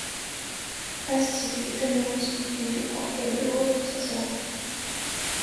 Patsy est anéantie, mais fait croire qu'elle est heureuse pour sa sœur.